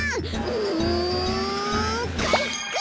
うんかいか！